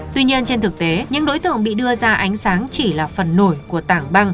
tuy nhiên trên thực tế những đối tượng bị đưa ra ánh sáng chỉ là phần nổi của tảng băng